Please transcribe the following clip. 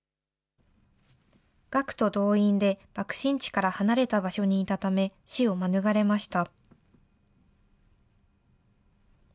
学徒動員で爆心地から離れた場所にいたため、死を免れました。